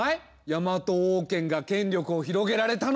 ヤマト王権が権力を広げられたのは。